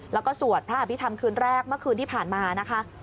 แล้วก็สวดพระอภิษฐรรมคืนแรกเมื่อคืนที่ผ่านมานะคะ